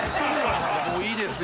もういいですよ。